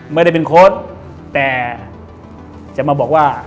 ไม่ได้เป็นโค้ชแต่จะมาบอกว่า